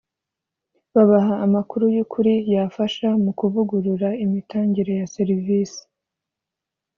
babaha amakuru y’ukuri yafasha mu kuvugurura imitangire ya serivisi